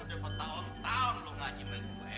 eh udah berapa tahun tahun lo ngaji melihut saya